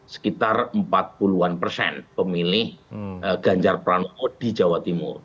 sekitar empat puluh an persen pemilih ganjar pranowo di jawa timur